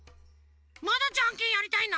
まだジャンケンやりたいの？